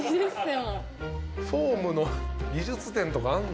フォームの技術点とかあんの？